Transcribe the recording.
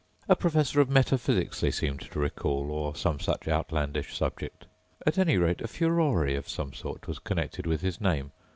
A professor of metaphysics, they seemed to recall, or some such outlandish subject. At any rate a furore of some sort was connected with his name